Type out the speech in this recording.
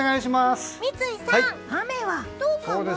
三井さん、雨はどうかな？